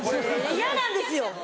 嫌なんですよ。